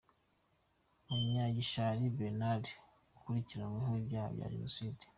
Munyagishari Bernard ukurikiranweho ibyaha bya Jenoside